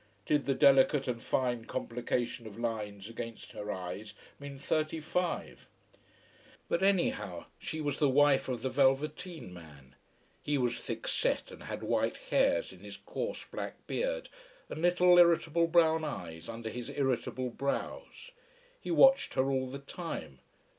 Did the delicate and fine complication of lines against her eyes mean thirty five? But anyhow she was the wife of the velveteen man. He was thick set and had white hairs in his coarse black beard, and little, irritable brown eyes under his irritable brows. He watched her all the time.